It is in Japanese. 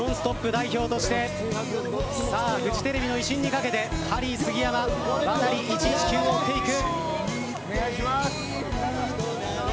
代表としてフジテレビの威信にかけてハリー杉山ワタリ１１９を追っていく。